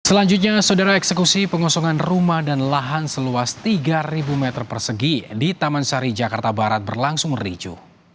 selanjutnya saudara eksekusi pengosongan rumah dan lahan seluas tiga meter persegi di taman sari jakarta barat berlangsung ricu